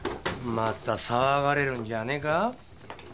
また騒がれるんじゃねぇか？